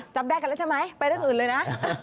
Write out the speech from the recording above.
จำได้กันแล้วใช่ไหมไปเรื่องอื่นเลยนะ